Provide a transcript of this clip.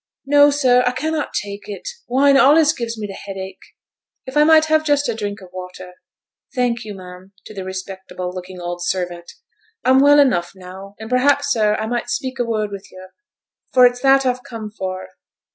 'No, sir, I cannot take it! wine allays gives me th' headache; if I might have just a drink o' water. Thank you, ma'am' (to the respectable looking old servant), 'I'm well enough now; and perhaps, sir, I might speak a word with yo', for it's that I've come for.'